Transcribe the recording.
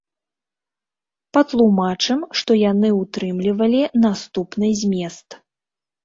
Патлумачым, што яны ўтрымлівалі наступны змест.